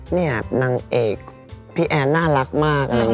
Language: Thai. เนี่ยนางเอกพี่แอนน่ารักมาก